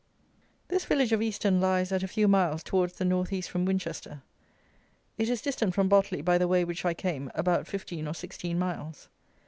_ This village of Easton lies at a few miles towards the north east from Winchester. It is distant from Botley, by the way which I came, about fifteen or sixteen miles.